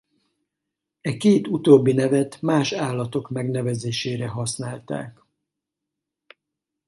E két utóbbi nevet más állatok megnevezésére használták.